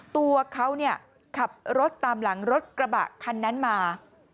ตัวเขาขับรถตามหลังรถกระบะคันนั้นมา